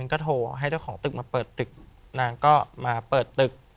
ก็โทรให้เจ้าของตึกมาเปิดตึกนางก็มาเปิดตึก